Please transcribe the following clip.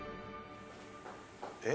えっ？